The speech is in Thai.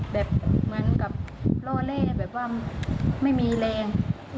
แล้วอีกคนนึงแบกเข้ามาที่ฝั่ง